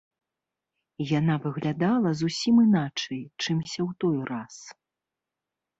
Яна выглядала зусім іначай, чымся ў той раз.